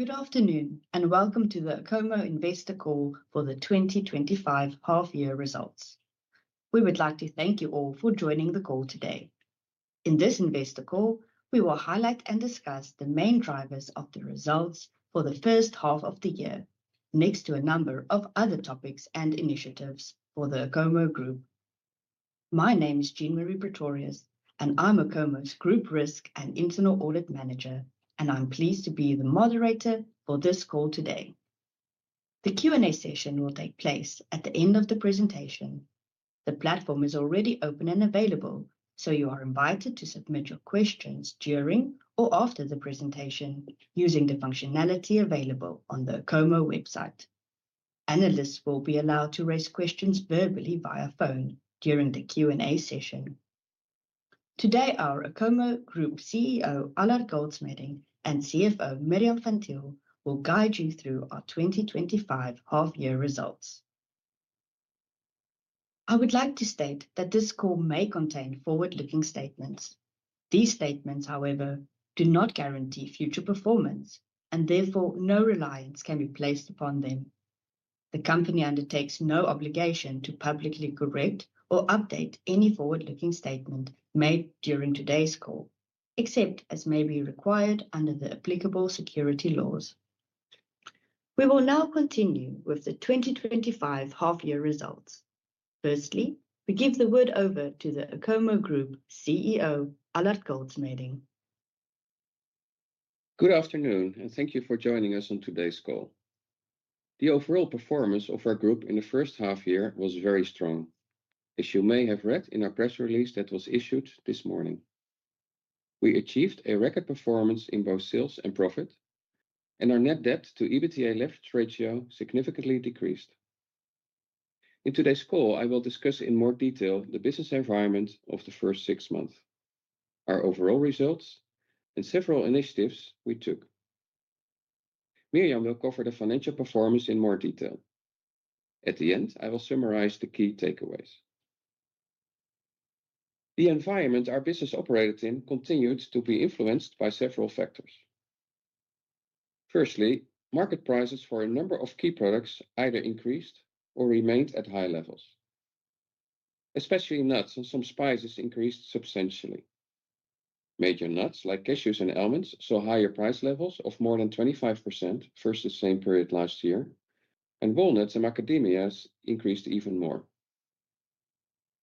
Good afternoon and welcome to the Acomo Investor Call for the 2025 Half-Year Results. We would like to thank you all for joining the call today. In this Investor Call, we will highlight and discuss the main drivers of the results for the first half of the year, next to a number of other topics and initiatives for the Acomo Group. My name is Jean-Mari Pretorius, and I'm Acomo's Group Risk and Internal Audit Manager, and I'm pleased to be the moderator for this call today. The Q&A session will take place at the end of the presentation. The platform is already open and available, so you are invited to submit your questions during or after the presentation using the functionality available on the Acomo website. Analysts will be allowed to raise questions verbally via phone during the Q&A session. Today, our Acomo Group CEO, Allard Goldschmeding, and CFO, Mirjam van Thiel, will guide you through our 2025 half-year results. I would like to state that this call may contain forward-looking statements. These statements, however, do not guarantee future performance, and therefore no reliance can be placed upon them. The company undertakes no obligation to publicly correct or update any forward-looking statement made during today's call, except as may be required under the applicable security laws. We will now continue with the 2025 half-year results. Firstly, we give the word over to the Acomo Group CEO, Allard Goldschmeding. Good afternoon and thank you for joining us on today's call. The overall performance of our group in the first half-year was very strong, as you may have read in our press release that was issued this morning. We achieved a record performance in both sales and profit, and our net debt to EBITDA leverage ratio significantly decreased. In today's call, I will discuss in more detail the business environment of the first six months, our overall results, and several initiatives we took. Mirjam will cover the financial performance in more detail. At the end, I will summarize the key takeaways. The environment our business operated in continued to be influenced by several factors. Firstly, market prices for a number of key products either increased or remained at high levels. Especially nuts and some spices increased substantially. Major nuts like cashews and almonds saw higher price levels of more than 25% versus the same period last year, and walnuts and macadamias increased even more.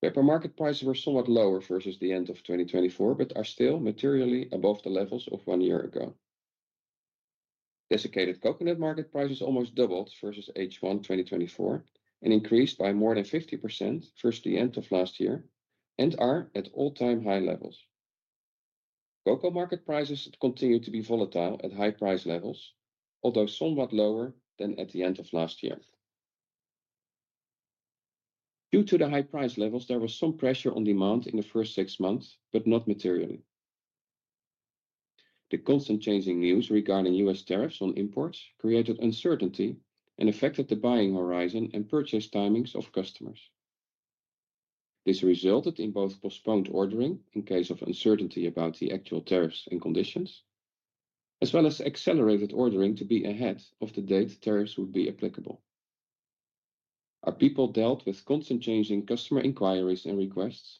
Pepper market prices were somewhat lower versus the end of 2024, but are still materially above the levels of one year ago. Desiccated coconut market prices almost doubled versus H1 2024 and increased by more than 50% versus the end of last year and are at all-time high levels. Cocoa market prices continue to be volatile at high price levels, although somewhat lower than at the end of last year. Due to the high price levels, there was some pressure on demand in the first six months, but not materially. The constant changing news regarding U.S. tariffs on imports created uncertainty and affected the buying horizon and purchase timings of customers. This resulted in both postponed ordering in case of uncertainty about the actual tariffs and conditions, as well as accelerated ordering to be ahead of the date tariffs would be applicable. Our people dealt with constant changing customer inquiries and requests,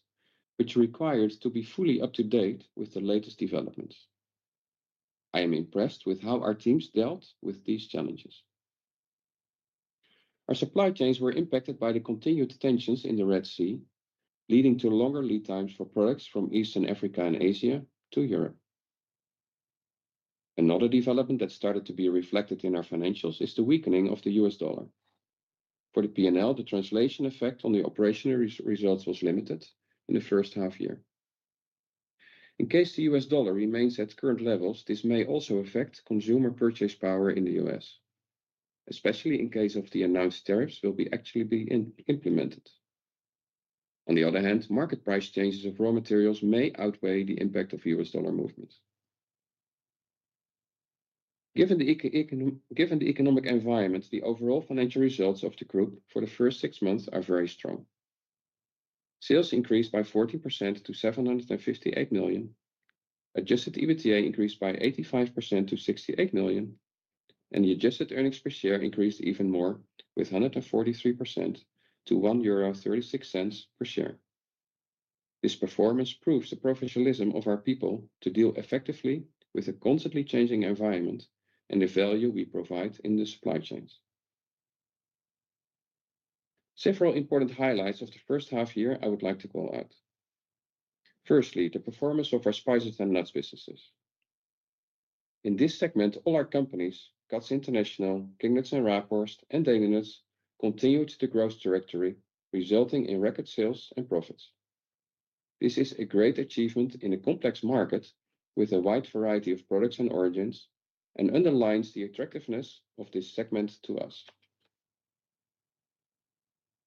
which required us to be fully up to date with the latest developments. I am impressed with how our teams dealt with these challenges. Our supply chains were impacted by the continued tensions in the Red Sea, leading to longer lead times for products from Eastern Africa and Asia to Europe. Another development that started to be reflected in our financials is the weakening of the U.S. dollar. For the P&L, the translation effect on the operational results was limited in the first half-year. In case the U.S. dollar remains at current levels, this may also affect consumer purchase power in the U.S., especially in case the announced tariffs will actually be implemented. On the other hand, market price changes of raw materials may outweigh the impact of U.S. dollar movements. Given the economic environment, the overall financial results of the group for the first six months are very strong. Sales increased by 14% to 758 million, adjusted EBITDA increased by 85% to 68 million, and the adjusted earnings per share increased even more with 143% to 1.36 euro per share. This performance proves the professionalism of our people to deal effectively with a constantly changing environment and the value we provide in the supply chains. Several important highlights of the first half-year I would like to call out. Firstly, the performance of our spices and nuts businesses. In this segment, all our companies, Catz International, King Nuts & Raaphorst, and Delinuts continued the growth trajectory, resulting in record sales and profits. This is a great achievement in a complex market with a wide variety of products and origins and underlines the attractiveness of this segment to us.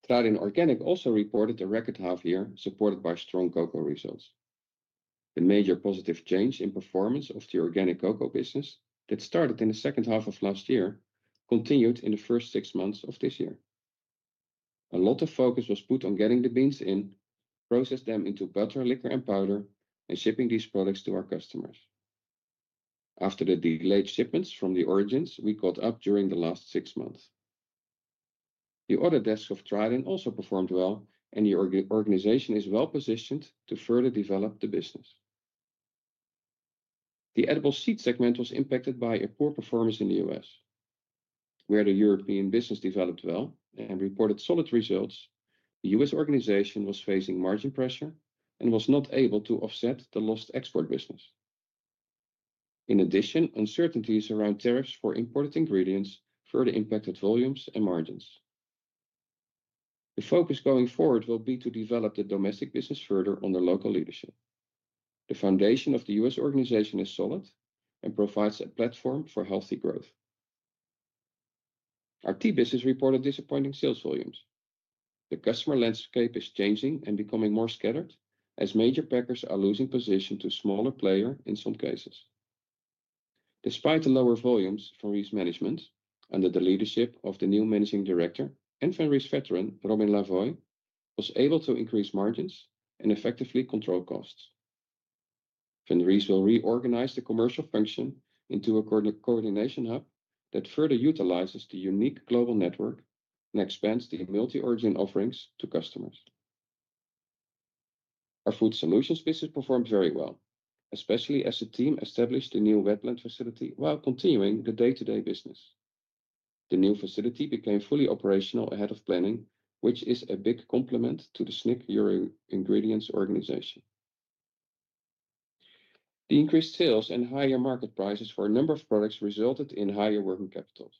Tradin Organic also reported a record half-year supported by strong cocoa results. The major positive change in performance of the organic cocoa business that started in the second half of last year continued in the first six months of this year. A lot of focus was put on getting the beans in, processing them into butter, liquor, and powder, and shipping these products to our customers. After the delayed shipments from the origins, we caught up during the last six months. The order desks of Tradin also performed well, and the organization is well positioned to further develop the business. The edible seeds segment was impacted by a poor performance in the U.S. Where the European business developed well and reported solid results, the U.S. organization was facing margin pressure and was not able to offset the lost export business. In addition, uncertainties around tariffs for imported ingredients further impacted volumes and margins. The focus going forward will be to develop the domestic business further under local leadership. The foundation of the U.S. organization is solid and provides a platform for healthy growth. Our tea business reported disappointing sales volumes. The customer landscape is changing and becoming more scattered as major packers are losing position to smaller players in some cases. Despite the lower volumes from risk management, under the leadership of the new Managing Director and Fenris veteran, Robin Lavoie, was able to increase margins and effectively control costs. Fenris will reorganize the commercial function into a coordination hub that further utilizes the unique global network and expands the multi-origin offerings to customers. Our food solutions business performed very well, especially as the team established a new wet blends facility while continuing the day-to-day business. The new facility became fully operational ahead of planning, which is a big compliment to the SNICK EuroIngredients organization. The increased sales and higher market prices for a number of products resulted in higher working capital.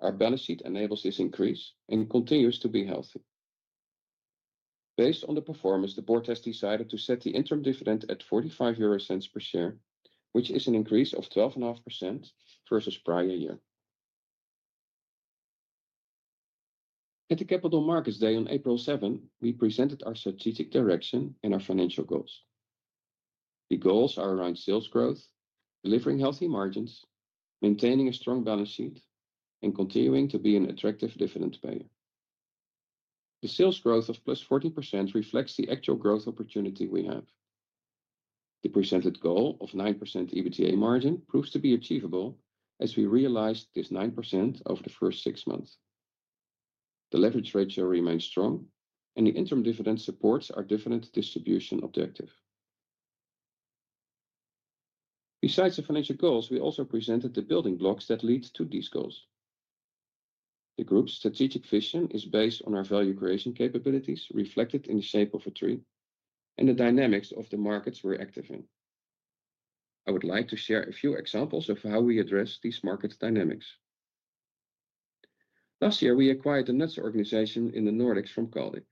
Our balance sheet enables this increase and continues to be healthy. Based on the performance, the board has decided to set the interim dividend at 0.45 per share, which is an increase of 12.5% versus prior year. At the capital markets day on April 7, we presented our strategic direction and our financial goals. The goals are around sales growth, delivering healthy margins, maintaining a strong balance sheet, and continuing to be an attractive dividend payer. The sales growth of plus 14% reflects the actual growth opportunity we have. The presented goal of 9% EBITDA margin proves to be achievable as we realized this 9% over the first six months. The leverage ratio remains strong, and the interim dividend supports our dividend distribution objective. Besides the financial goals, we also presented the building blocks that lead to these goals. The group's strategic vision is based on our value creation capabilities reflected in the shape of a tree and the dynamics of the markets we're active in. I would like to share a few examples of how we address these market dynamics. Last year, we acquired a nuts organization in the Nordics from Caldic.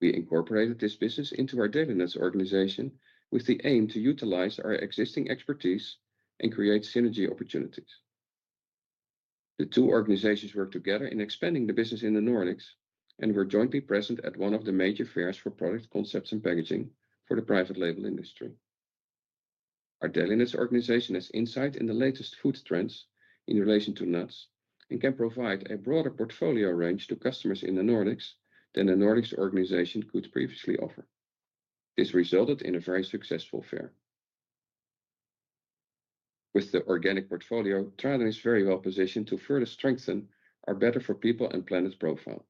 We incorporated this business into our Delinuts organization with the aim to utilize our existing expertise and create synergy opportunities. The two organizations work together in expanding the business in the Nordics, and we're jointly present at one of the major fairs for product concepts and packaging for the private label industry. Our Delinuts organization has insight in the latest food trends in relation to nuts and can provide a broader portfolio range to customers in the Nordics than the Nordics organization could previously offer. This resulted in a very successful fair. With the organic portfolio, Tradin Organic is very well positioned to further strengthen our better for people and planet profile.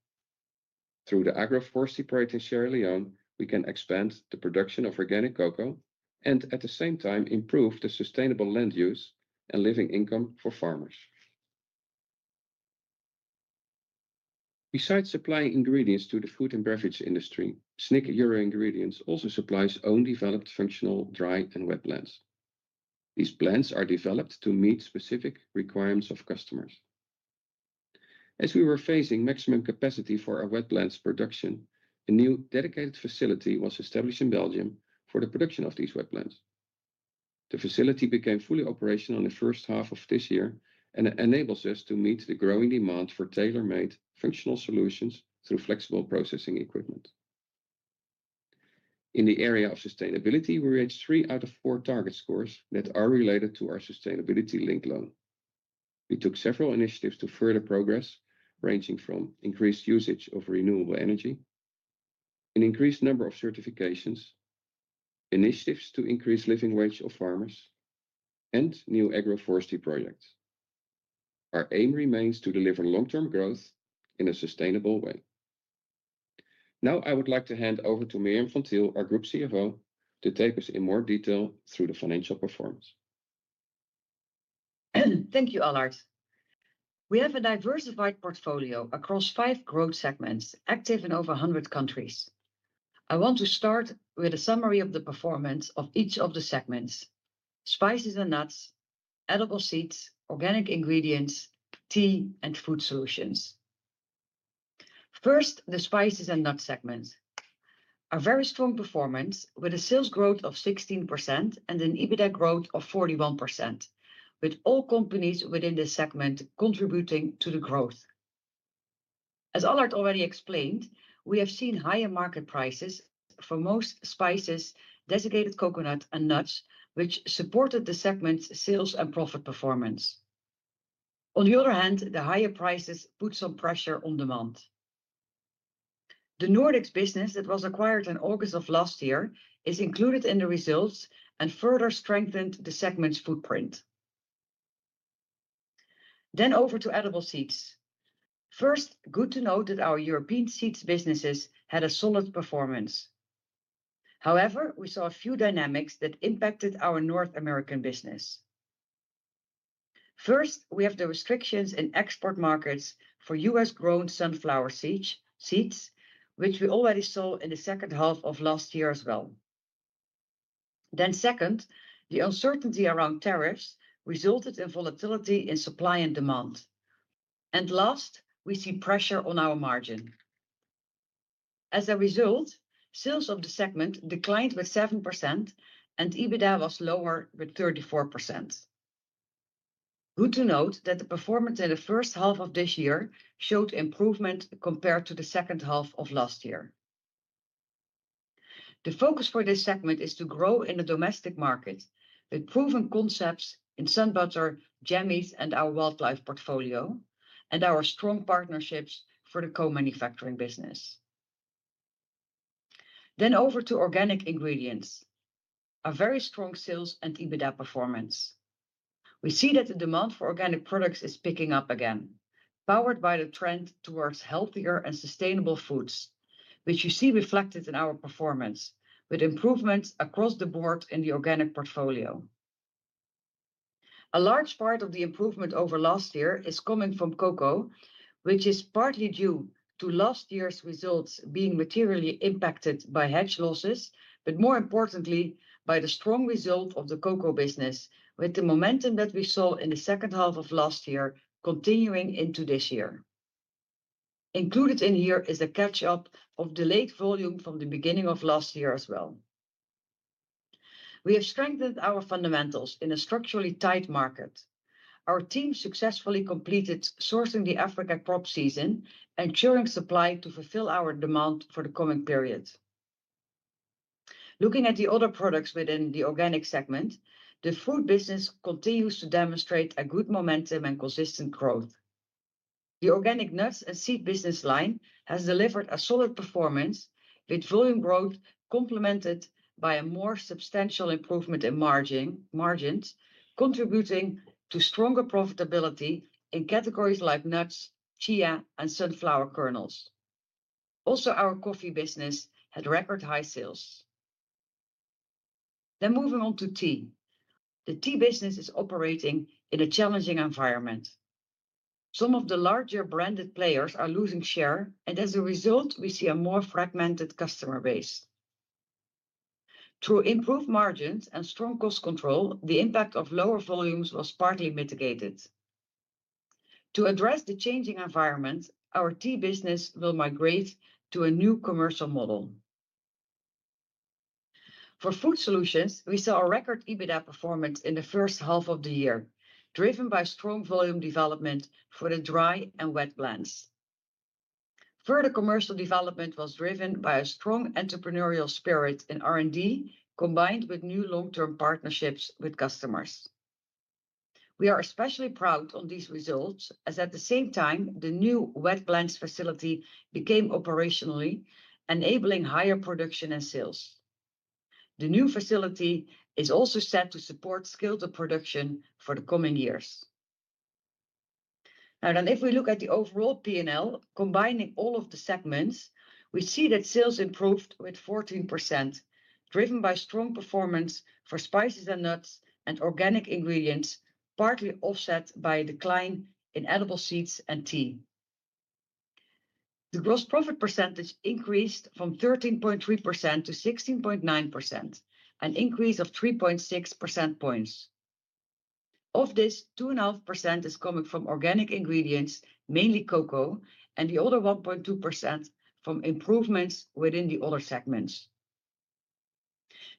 Through the agroforestry project in Sierra Leone, we can expand the production of organic cocoa and at the same time improve the sustainable land use and living income for farmers. Besides supplying ingredients to the food and beverage industry, SNICK EuroIngredients also supplies own developed functional dry and wet blends. These blends are developed to meet specific requirements of customers. As we were facing maximum capacity for our wet blends production, a new dedicated facility was established in Belgium for the production of these wet blends. The facility became fully operational in the first half of this year and enables us to meet the growing demand for tailor-made functional solutions through flexible processing equipment. In the area of sustainability, we reached 3/4 target scores that are related to our sustainability-linked loan targets. We took several initiatives to further progress, ranging from increased usage of renewable energy, an increased number of certifications, initiatives to increase living wage of farmers, and new agroforestry projects. Our aim remains to deliver long-term growth in a sustainable way. Now, I would like to hand over to Mirjam van Thiel, our Group CFO, to take us in more detail through the financial performance. Thank you, Allard. We have a diversified portfolio across five growth segments active in over 100 countries. I want to start with a summary of the performance of each of the segments: spices and nuts, edible seeds, organic ingredients, tea, and food solutions. First, the spices and nuts segment. A very strong performance with a sales growth of 16% and an EBITDA growth of 41%, with all companies within this segment contributing to the growth. As Allard already explained, we have seen higher market prices for most spices, desiccated coconut, and nuts, which supported the segment's sales and profit performance. On the other hand, the higher prices put some pressure on demand. The Nordics business that was acquired in August of last year is included in the results and further strengthened the segment's footprint. Over to edible seeds. Good to note that our European seeds businesses had a solid performance. However, we saw a few dynamics that impacted our North American business. First, we have the restrictions in export markets for U.S.-grown sunflower seeds, which we already saw in the second half of last year as well. The uncertainty around tariffs resulted in volatility in supply and demand. We see pressure on our margin. As a result, sales of the segment declined by 7% and EBITDA was lower by 34%. Good to note that the performance in the first half of this year showed improvement compared to the second half of last year. The focus for this segment is to grow in the domestic market with proven concepts in SunButter, Jammies, and our Wildlife portfolio, and our strong partnerships for the co-manufacturing business. Over to organic ingredients. A very strong sales and EBITDA performance. We see that the demand for organic products is picking up again, powered by the trend towards healthier and sustainable foods, which you see reflected in our performance with improvements across the board in the organic portfolio. A large part of the improvement over last year is coming from cocoa, which is partly due to last year's results being materially impacted by hedge losses, but more importantly, by the strong result of the cocoa business with the momentum that we saw in the second half of last year continuing into this year. Included in here is the catch-up of the late volume from the beginning of last year as well. We have strengthened our fundamentals in a structurally tight market. Our team successfully completed sourcing the Africa crop season and curing supply to fulfill our demand for the coming period. Looking at the other products within the organic segment, the fruit business continues to demonstrate good momentum and consistent growth. The organic nuts and seed business line has delivered a solid performance with volume growth complemented by a more substantial improvement in margins, contributing to stronger profitability in categories like nuts, chia, and sunflower kernels. Also, our coffee business had record high sales. Moving on to tea, the tea business is operating in a challenging environment. Some of the larger branded players are losing share, and as a result, we see a more fragmented customer base. Through improved margins and strong cost control, the impact of lower volumes was partly mitigated. To address the changing environment, our tea business will migrate to a new commercial model. For food solutions, we saw a record EBITDA performance in the first half of the year, driven by strong volume development for the dry and wet blends. Further commercial development was driven by a strong entrepreneurial spirit in R&D combined with new long-term partnerships with customers. We are especially proud of these results as at the same time, the new wet blends facility became operational, enabling higher production and sales. The new facility is also set to support skilled production for the coming years. Now, if we look at the overall P&L combining all of the segments, we see that sales improved by 14%, driven by strong performance for spices and nuts and organic ingredients, partly offset by a decline in edible seeds and tea. The gross profit percentage increased from 13.3% to 16.9%, an increase of 3.6% points. Of this, 2.5% is coming from organic ingredients, mainly cocoa, and the other 1.2% from improvements within the other segments.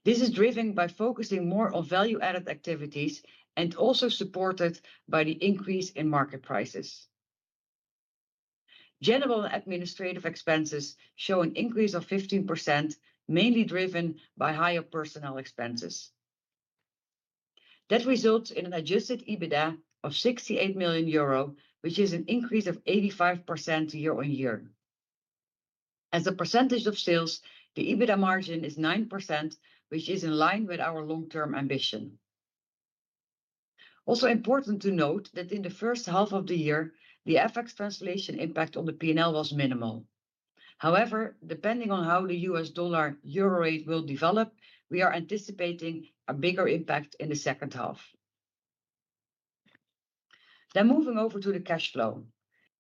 This is driven by focusing more on value-added activities and also supported by the increase in market prices. General administrative expenses show an increase of 15%, mainly driven by higher personnel expenses. That results in an adjusted EBITDA of 68 million euro, which is an increase of 85% year-on-year. As a percentage of sales, the EBITDA margin is 9%, which is in line with our long-term ambition. Also, important to note that in the first half of the year, the FX translation impact on the P&L was minimal. However, depending on how the U.S. dollar euro rate will develop, we are anticipating a bigger impact in the second half. Moving over to the cash flow,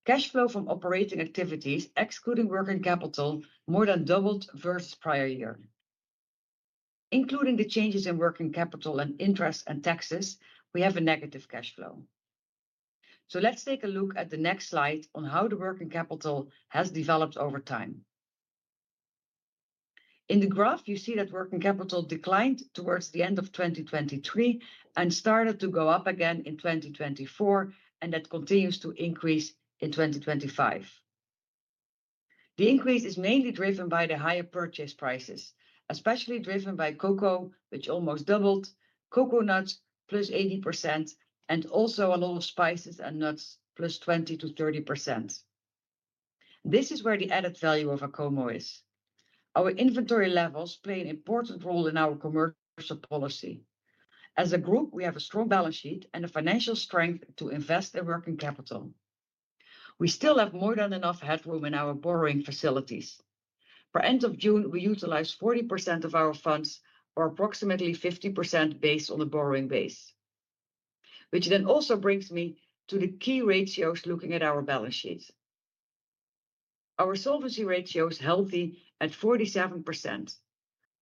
cash flow from operating activities, excluding working capital, more than doubled versus prior year. Including the changes in working capital and interest and taxes, we have a negative cash flow. Let's take a look at the next slide on how the working capital has developed over time. In the graph, you see that working capital declined towards the end of 2023 and started to go up again in 2024, and that continues to increase in 2025. The increase is mainly driven by the higher purchase prices, especially driven by cocoa, which almost doubled, coconut plus 80%, and also a lot of spices and nuts plus 20%-30%. This is where the added value of Acomo is. Our inventory levels play an important role in our commercial policy. As a group, we have a strong balance sheet and a financial strength to invest in working capital. We still have more than enough headroom in our borrowing facilities. By the end of June, we utilized 40% of our funds or approximately 50% based on the borrowing base, which also brings me to the key ratios looking at our balance sheets. Our solvency ratios are healthy at 47%,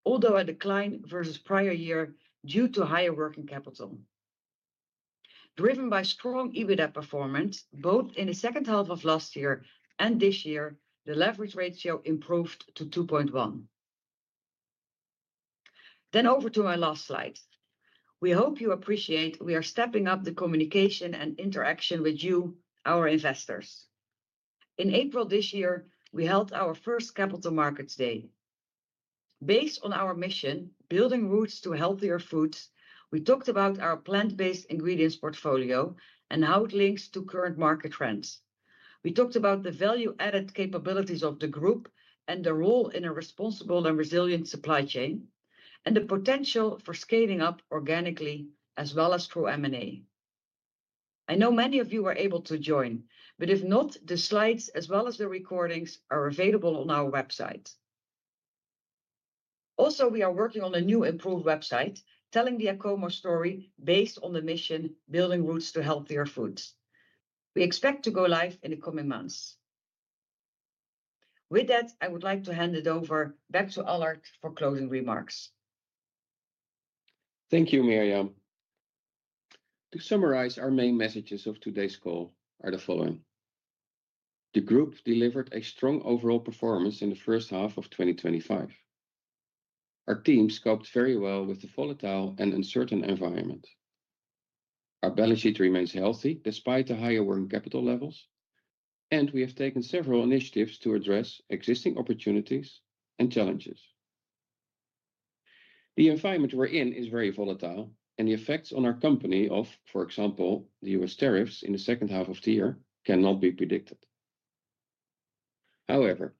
although a decline versus prior year due to higher working capital. Driven by strong EBITDA performance, both in the second half of last year and this year, the leverage ratio improved to 2.1. Over to my last slide, we hope you appreciate we are stepping up the communication and interaction with you, our investors. In April this year, we held our first capital markets day. Based on our mission, building roots to healthier foods, we talked about our plant-based ingredients portfolio and how it links to current market trends. We talked about the value-added capabilities of the group and the role in a responsible and resilient supply chain and the potential for scaling up organically as well as through M&A. I know many of you were able to join, but if not, the slides as well as the recordings are available on our website. Also, we are working on a new improved website telling the Acomo story based on the mission, building roots to healthier foods. We expect to go live in the coming months. With that, I would like to hand it over back to Allard for closing remarks. Thank you, Mirjam. To summarize, our main messages of today's call are the following. The group delivered a strong overall performance in the first half of 2025. Our team coped very well with the volatile and uncertain environment. Our balance sheet remains healthy despite the higher working capital levels, and we have taken several initiatives to address existing opportunities and challenges. The environment we're in is very volatile, and the effects on our company of, for example, the U.S. tariffs in the second half of the year cannot be predicted. However,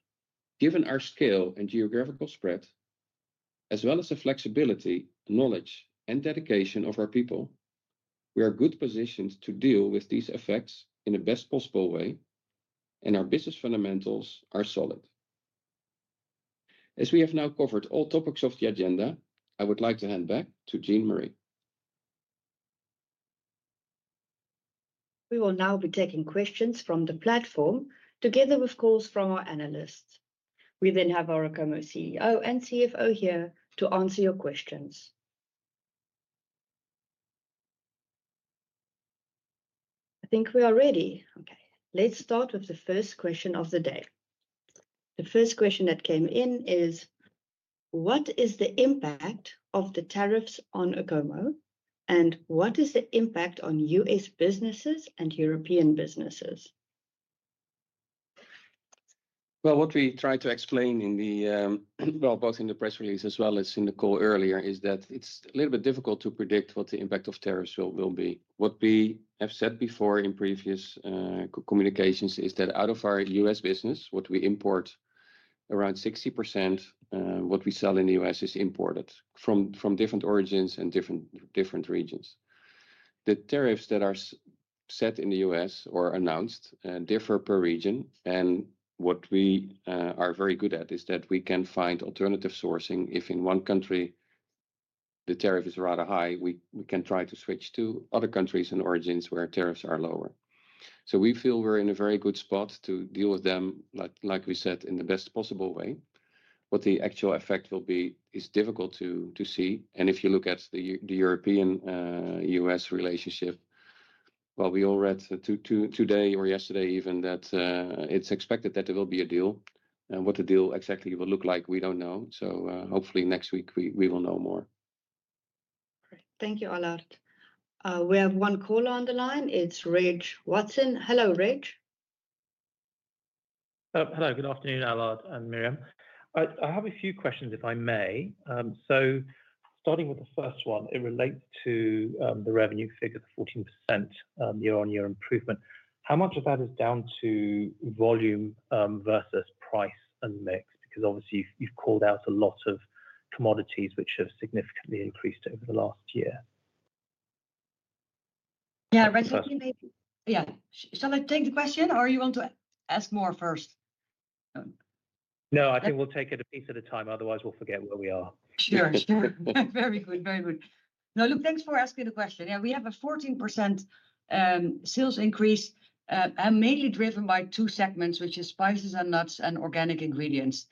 given our scale and geographical spread, as well as the flexibility, knowledge, and dedication of our people, we are in a good position to deal with these effects in the best possible way, and our business fundamentals are solid. As we have now covered all topics of the agenda, I would like to hand back to Jean-Mari. We will now be taking questions from the platform together with calls from our analysts. We then have our Acomo CEO and CFO here to answer your questions. I think we are ready. Let's start with the first question of the day. The first question that came in is, what is the impact of the tariffs on Acomo, and what is the impact on U.S. businesses and European businesses? What we tried to explain in the press release as well as in the call earlier is that it's a little bit difficult to predict what the impact of tariffs will be. What we have said before in previous communications is that out of our U.S. business, what we import, around 60% of what we sell in the U.S. is imported from different origins and different regions. The tariffs that are set in the U.S. or announced differ per region, and what we are very good at is that we can find alternative sourcing. If in one country the tariff is rather high, we can try to switch to other countries and origins where tariffs are lower. We feel we're in a very good spot to deal with them, like we said, in the best possible way. What the actual effect will be is difficult to see, and if you look at the European-U.S. relationship, we all read today or yesterday even that it's expected that there will be a deal, and what the deal exactly will look like, we don't know. Hopefully next week we will know more. Thank you, Allard. We have one caller on the line. It's Ridge Watson. Hello, Ridge. Hello. Good afternoon, Allard and Mirjam. I have a few questions, if I may. Starting with the first one, it relates to the revenue figure, the 14% year-on-year improvement. How much of that is down to volume versus price and mix? Obviously, you've called out a lot of commodities which have significantly increased over the last year. Shall I take the question, or do you want to ask more first? No, I think we'll take it a piece at a time. Otherwise, we'll forget where we are. Sure, sure. Very good, very good. No, look, thanks for asking the question. Yeah, we have a 14% sales increase, mainly driven by two segments, which are spices and nuts and organic ingredients,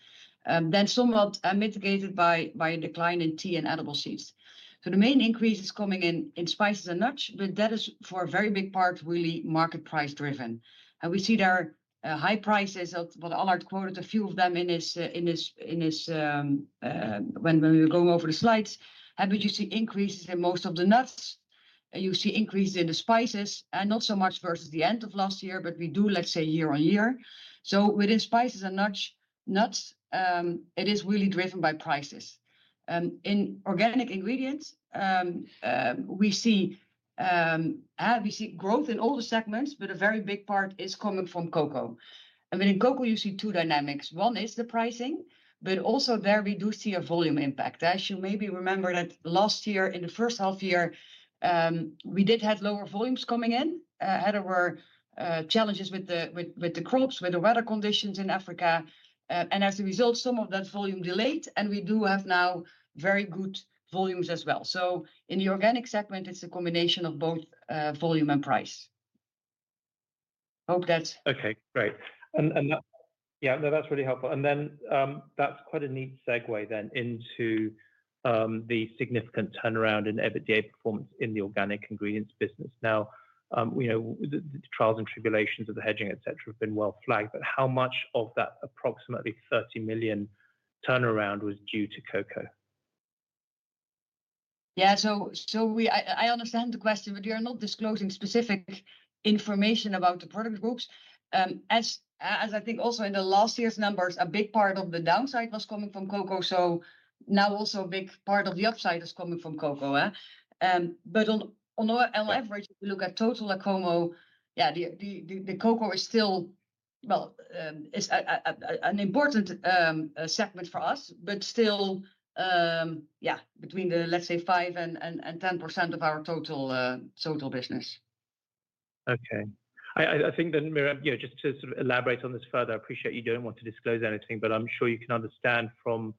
then somewhat mitigated by a decline in tea and edible seeds. The main increase is coming in in spices and nuts, but that is for a very big part really market price driven. We see there are high prices. What Allard quoted, a few of them in this, when we were going over the slides, you see increases in most of the nuts. You see increases in the spices, and not so much versus the end of last year, but we do, let's say, year-on-year. Within spices and nuts, it is really driven by prices. In organic ingredients, we see growth in all the segments, but a very big part is coming from cocoa. Within cocoa, you see two dynamics. One is the pricing, but also there we do see a volume impact. As you maybe remember, last year in the first half year, we did have lower volumes coming in. There were challenges with the crops, with the weather conditions in Africa. As a result, some of that volume delayed, and we do have now very good volumes as well. In the organic segment, it's a combination of both volume and price. Okay, great. Yeah, that's really helpful. That's quite a neat segue into the significant turnaround in EBITDA performance in the organic ingredients business. Now, you know the trials and tribulations of the hedging, et cetera, have been well flagged, but how much of that approximately 30 million turnaround was due to cocoa? Yeah, I understand the question, but you're not disclosing specific information about the product groups. As I think also in last year's numbers, a big part of the downside was coming from cocoa. Now also a big part of the upside is coming from cocoa. On average, if you look at total Acomo, the cocoa is still an important segment for us, but still, between the, let's say, 5% and 10% of our total business. Okay. I think then, Mirjam, just to sort of elaborate on this further, I appreciate you don't want to disclose anything, but I'm sure you can understand from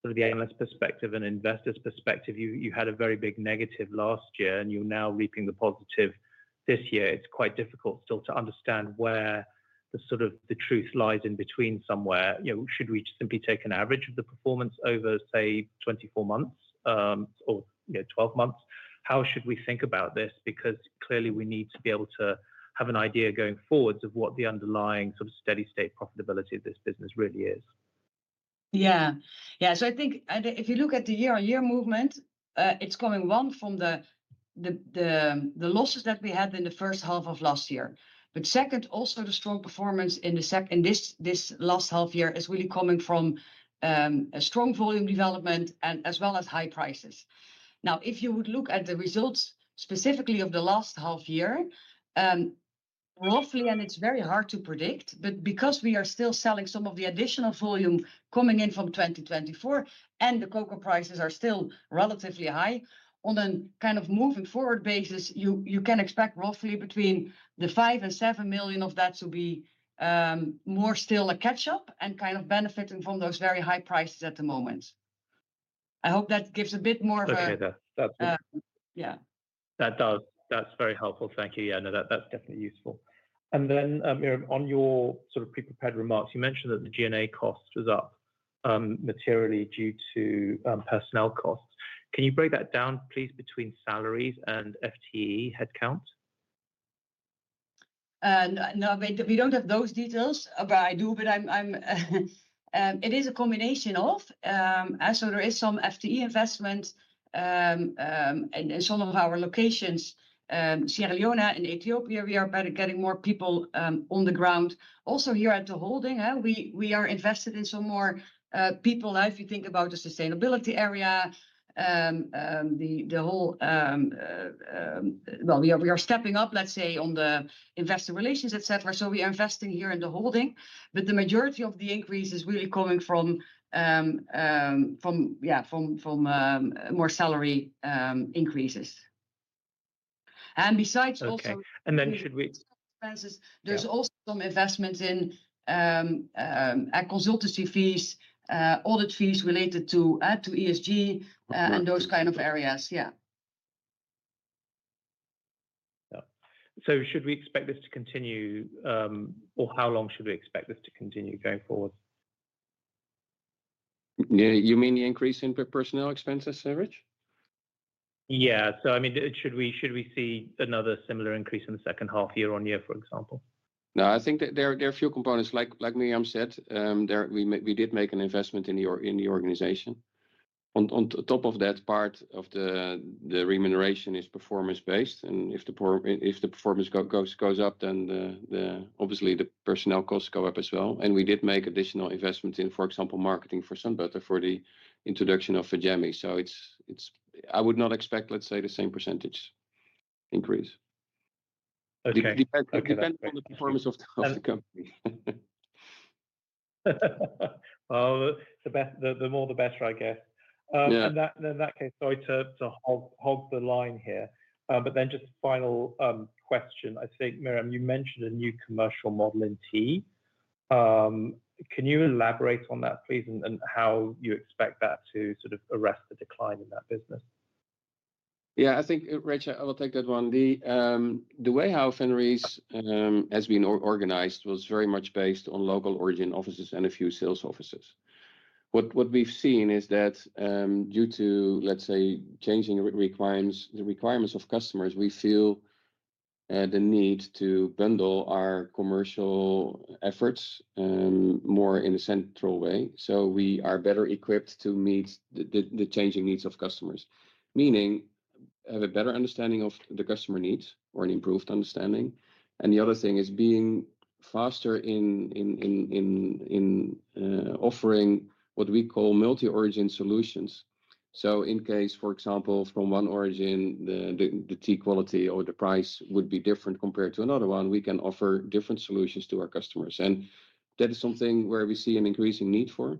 sort of the analyst perspective and investors' perspective, you had a very big negative last year and you're now reaping the positive this year. It's quite difficult still to understand where the sort of the truth lies in between somewhere. Should we simply take an average of the performance over, say, 24 months or 12 months? How should we think about this? Because clearly we need to be able to have an idea going forwards of what the underlying sort of steady-state profitability of this business really is. Yeah, yeah. I think if you look at the year-on-year movement, it's coming one from the losses that we had in the first half of last year. Second, also the strong performance in this last half year is really coming from a strong volume development as well as high prices. Now, if you would look at the results specifically of the last half year, roughly, and it's very hard to predict, but because we are still selling some of the additional volume coming in from 2024 and the cocoa prices are still relatively high, on a kind of moving forward basis, you can expect roughly between 5 million and 7 million of that to be more still a catch-up and kind of benefiting from those very high prices at the moment. I hope that gives a bit more of a... That's very helpful. Thank you. That's definitely useful. Mirjam, on your sort of pre-prepared remarks, you mentioned that the G&A cost was up materially due to personnel costs. Can you break that down, please, between salaries and FTE headcount? No, we don't have those details, but I do, but it is a combination of... There is some FTE investment in some of our locations. Sierra Leone and Ethiopia, we are getting more people on the ground. Also here at the holding, we are invested in some more people. If you think about the sustainability area, the whole... We are stepping up, let's say, on the investor relations, et cetera. We are investing here in the holding, but the majority of the increase is really coming from more salary increases. Besides, also... Should we... There's also some investments in consultancy fees, audit fees related to ESG and those kind of areas. Should we expect this to continue, or how long should we expect this to continue going forward? You mean the increase in personnel expenses, Ridge? Should we see another similar increase in the second half year-on-year, for example? No, I think there are a few components. Like Mirjam said, we did make an investment in the organization. On top of that, part of the remuneration is performance-based, and if the performance goes up, then obviously the personnel costs go up as well. We did make additional investments in, for example, marketing for SunButter for the introduction of Jammies. I would not expect, let's say, the same percentage increase. It depends on the performance of the company. The more the better, I guess. In that case, sorry to hog the line here, but just a final question. I think, Mirjam, you mentioned a new commercial model in tea. Can you elaborate on that, please, and how you expect that to sort of arrest the decline in that business? Yeah, I think, Ridge, I will take that one. The way how Fenris has been organized was very much based on local origin offices and a few sales offices. What we've seen is that due to, let's say, changing the requirements of customers, we feel the need to bundle our commercial efforts more in a central way. We are better equipped to meet the changing needs of customers, meaning have a better understanding of the customer needs or an improved understanding. The other thing is being faster in offering what we call multi-origin solutions. In case, for example, from one origin, the tea quality or the price would be different compared to another one, we can offer different solutions to our customers. That is something where we see an increasing need for.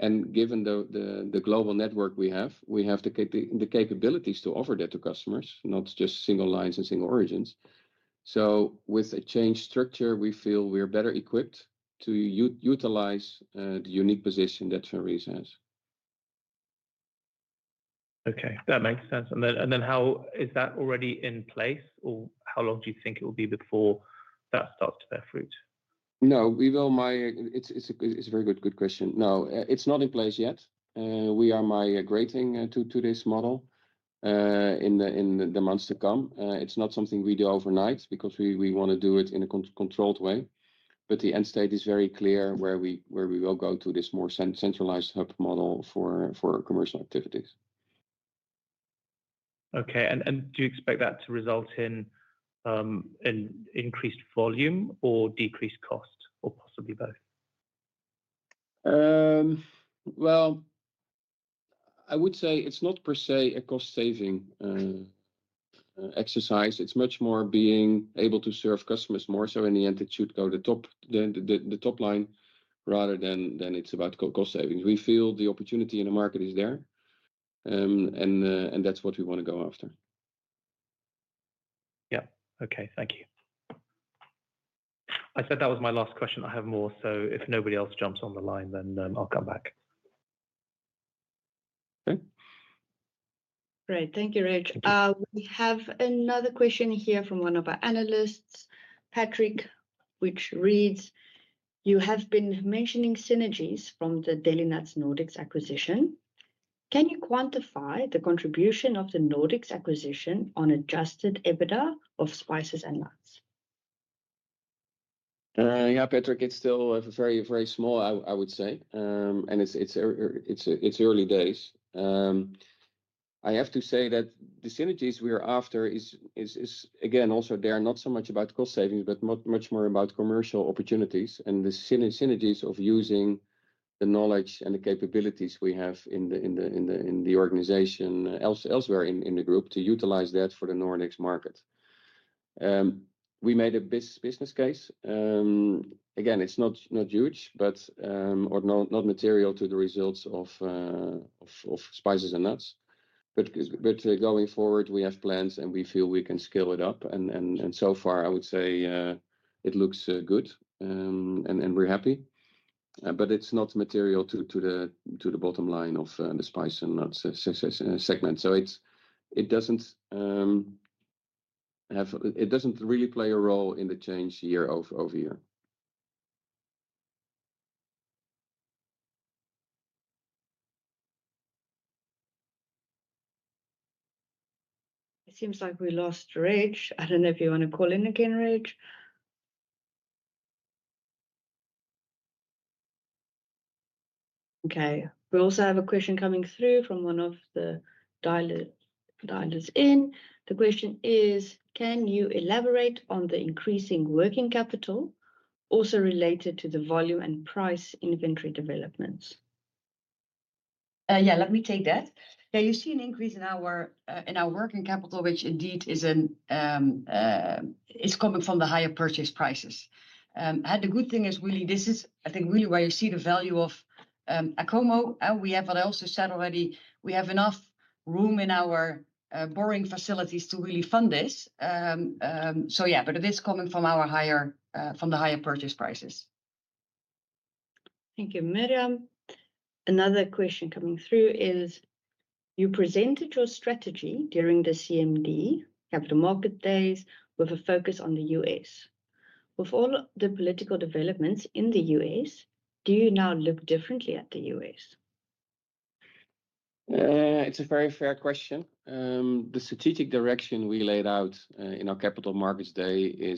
Given the global network we have, we have the capabilities to offer that to customers, not just single lines and single origins. With a changed structure, we feel we're better equipped to utilize the unique position that Fenris has. Okay, that makes sense. How, is that already in place, or how long do you think it will be before that starts to bear fruit? No, it's a very good question. No, it's not in place yet. We are migrating to this model in the months to come. It's not something we do overnight because we want to do it in a controlled way. The end state is very clear where we will go to this more centralized hub model for commercial activities. Okay, do you expect that to result in increased volume or decreased cost, or possibly both? It is not per se a cost-saving exercise. It is much more being able to serve customers more so in the attitude to go to the top line rather than it is about cost savings. We feel the opportunity in the market is there, and that is what we want to go after. Okay, thank you. I said that was my last question. I have more, so if nobody else jumps on the line, then I'll come back. Okay. Great, thank you, Ridge. We have another question here from one of our analysts, Patrick, which reads, "You have been mentioning synergies from the Delinuts Nordics acquisition. Can you quantify the contribution of the Nordics acquisition on adjusted EBITDA of spices and nuts? Yeah, Patrick, it's still very, very small, I would say, and it's early days. I have to say that the synergies we are after are, again, also not so much about cost savings, but much more about commercial opportunities and the synergies of using the knowledge and the capabilities we have in the organization elsewhere in the group to utilize that for the Nordics market. We made a business case. Again, it's not huge, but not material to the results of spices and nuts. Going forward, we have plans and we feel we can scale it up. So far, I would say it looks good and we're happy. It's not material to the bottom line of the spices and nuts segment. It doesn't really play a role in the change year-over-year. It seems like we lost Ridge. I don't know if you want to call in again, Ridge? We also have a question coming through from one of the dialers in. The question is, "Can you elaborate on the increasing working capital also related to the volume and price inventory developments? Let me take that. You see an increase in our working capital, which indeed is coming from the higher purchase prices. The good thing is, this is really where you see the value of Acomo. We have, what I also said already, enough room in our borrowing facilities to really fund this. It is coming from the higher purchase prices. Thank you, Mirjam. Another question coming through is, "You presented your strategy during the capital markets day, with a focus on the U.S. With all the political developments in the U.S., do you now look differently at the U.S.? It's a very fair question. The strategic direction we laid out in our capital markets day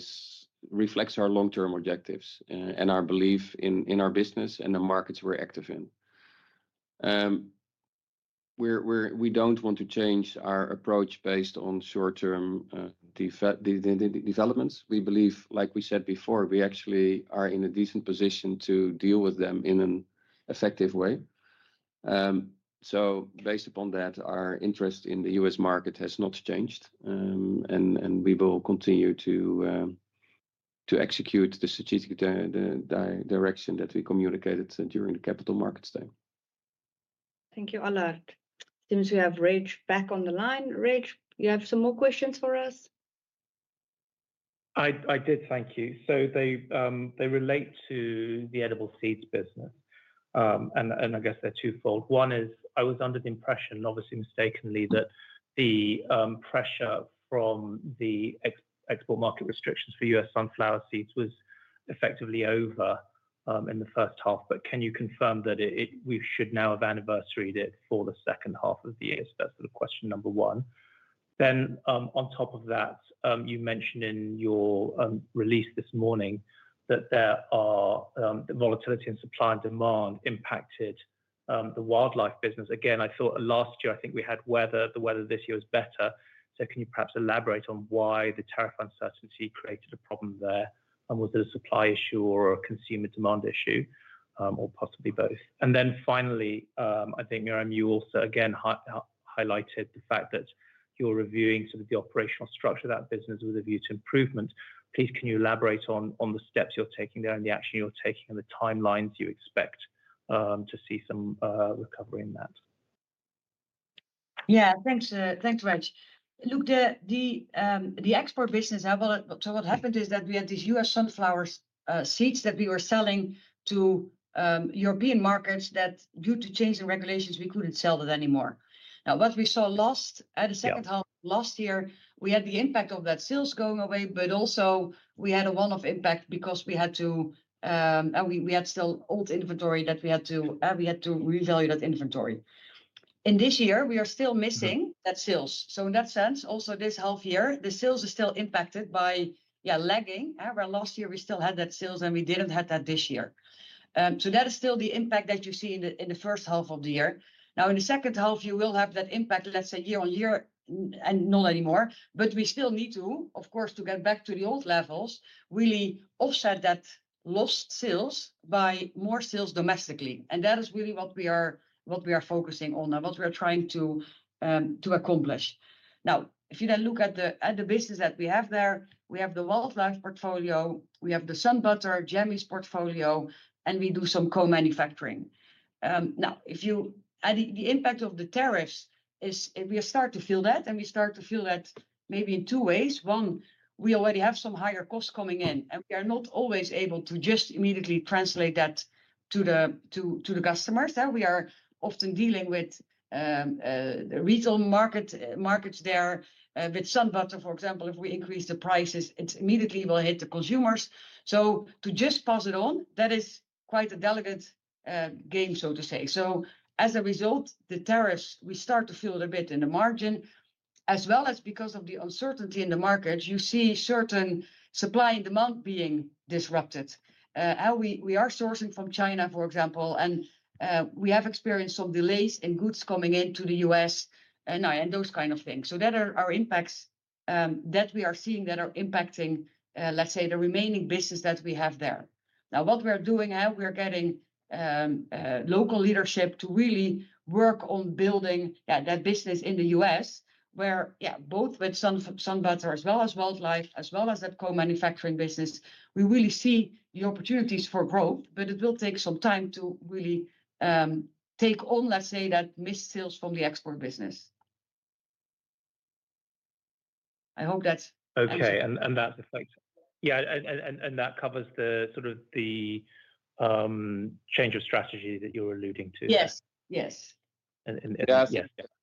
reflects our long-term objectives and our belief in our business and the markets we're active in. We don't want to change our approach based on short-term developments. We believe, like we said before, we actually are in a decent position to deal with them in an effective way. Based upon that, our interest in the U.S. market has not changed, and we will continue to execute the strategic direction that we communicated during the capital markets day. Thank you, Allard. It seems we have Ridge back on the line. Ridge, you have some more questions for us? I did, thank you. They relate to the edible seeds business, and I guess they're twofold. One is, I was under the impression, obviously mistakenly, that the pressure from the export market restrictions for U.S. sunflower seeds was effectively over in the first half. Can you confirm that we should now have anniversaried it for the second half of the year? That's sort of question number one. On top of that, you mentioned in your release this morning that the volatility in supply and demand impacted the Wildlife business. I thought last year, I think we had weather. The weather this year is better. Can you perhaps elaborate on why the tariff uncertainty created a problem there? Was there a supply issue or a consumer demand issue, or possibly both? Finally, I think, Mirjam, you also again highlighted the fact that you're reviewing the operational structure of that business with a view to improvement. Please, can you elaborate on the steps you're taking there and the action you're taking and the timelines you expect to see some recovery in that? Yeah, thanks, Ridge. Look, the export business, so what happened is that we had these U.S. sunflower seeds that we were selling to European markets that, due to change in regulations, we couldn't sell that anymore. Now, what we saw at the second half last year, we had the impact of that sales going away, but also we had a one-off impact because we had to, and we had still old inventory that we had to revalue that inventory. In this year, we are still missing that sales. In that sense, also this half year, the sales are still impacted by lagging, where last year we still had that sales and we didn't have that this year. That is still the impact that you see in the first half of the year. In the second half, you will have that impact, let's say, year-on-year, and not anymore. We still need to, of course, to get back to the old levels, really offset that lost sales by more sales domestically. That is really what we are focusing on and what we are trying to accomplish. Now, if you then look at the business that we have there, we have the Wildlife portfolio, we have the SunButter, Jammies portfolio, and we do some co-manufacturing. If you add the impact of the tariffs, we start to feel that, and we start to feel that maybe in two ways. One, we already have some higher costs coming in, and we are not always able to just immediately translate that to the customers. We are often dealing with the retail markets there. With SunButter, for example, if we increase the prices, it immediately will hit the consumers. To just pass it on, that is quite a delicate game, so to say. As a result, the tariffs, we start to feel it a bit in the margin, as well as because of the uncertainty in the markets, you see certain supply and demand being disrupted. We are sourcing from China, for example, and we have experienced some delays in goods coming into the U.S. and those kind of things. Those are our impacts that we are seeing that are impacting, let's say, the remaining business that we have there. Now, what we're doing here, we're getting local leadership to really work on building that business in the U.S., where both with SunButter as well as Wildlife, as well as that co-manufacturing business, we really see the opportunities for growth, but it will take some time to really take on, let's say, that missed sales from the export business. I hope that's... Okay, that affects, yeah, that covers the sort of the change of strategy that you're alluding to. Yes, yes. And... Yes,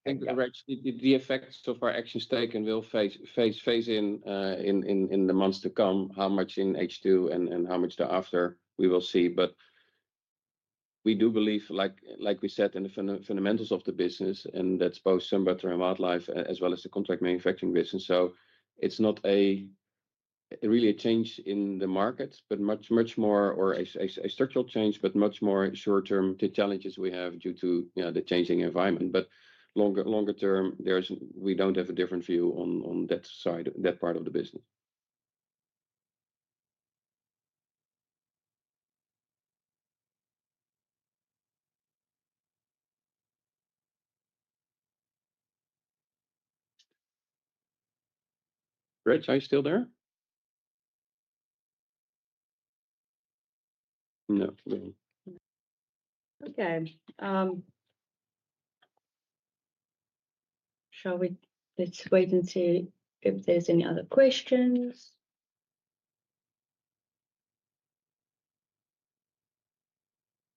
thank you, Ridge. The effects of our actions taken will face in the months to come, how much in H2 and how much thereafter, we will see. We do believe, like we said, in the fundamentals of the business, and that's both SunButter and Wildlife, as well as the contract manufacturing business. It's not really a change in the markets, or a structural change, but much more short-term challenges we have due to the changing environment. Longer term, we don't have a different view on that side, that part of the business. Ridge, are you still there? No, it's a little... Okay. Shall we just wait and see if there's any other questions?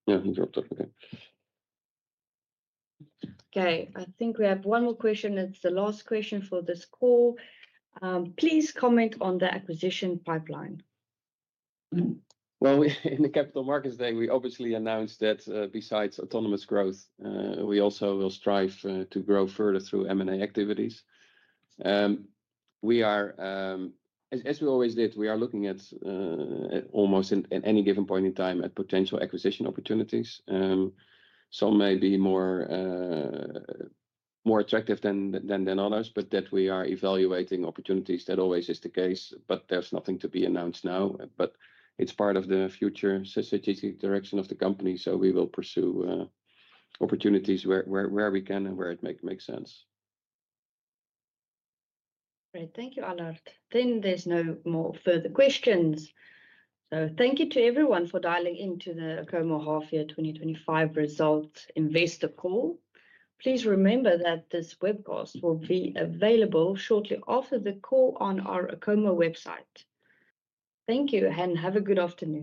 No, he dropped off there. Okay, I think we have one more question. It's the last question for this call. Please comment on the acquisition pipeline. In the capital markets day, we obviously announced that besides autonomous growth, we also will strive to grow further through M&A activities. As we always did, we are looking at almost at any given point in time at potential acquisition opportunities. Some may be more attractive than others, but we are evaluating opportunities. That always is the case, there is nothing to be announced now. It is part of the future strategic direction of the company, we will pursue opportunities where we can and where it makes sense. Great, thank you, Allard. There are no more further questions. Thank you to everyone for dialing into the Acomo Half Year 2025 Results Investor Call. Please remember that this webcast will be available shortly after the call on our Acomo website. Thank you and have a good afternoon.